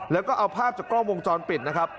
แล้วก็เอาภาพจากกล้องวงจรปิดนะครับ